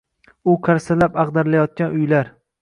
U qarsillab ag‘darilayotgan uylar.